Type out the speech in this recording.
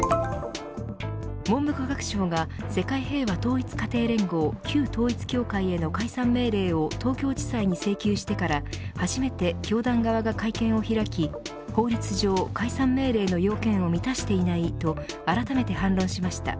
文部科学省が世界平和統一家庭連合＝旧統一教会への解散命令を東京地裁に請求してから初めて、教団側が会見を開き法律上、解散命令の要件を満たしていないとあらためて反論しました。